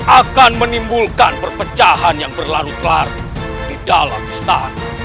akan menimbulkan perpecahan yang berlarut larut di dalam istana